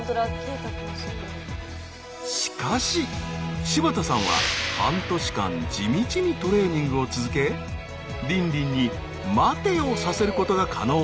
しかし柴田さんは半年間地道にトレーニングを続けリンリンに待てをさせることが可能に。